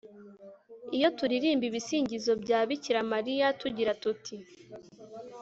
iyo turirimba ibisingizo bya bikira mariya tugira tuti